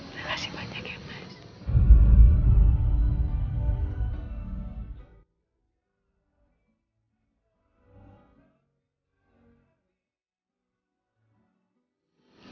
terima kasih banyak ya mas